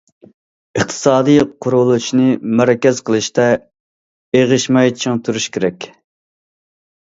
ئىقتىسادىي قۇرۇلۇشنى مەركەز قىلىشتا ئېغىشماي چىڭ تۇرۇش كېرەك.